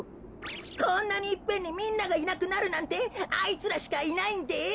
こんなにいっぺんにみんながいなくなるなんてあいつらしかいないんです。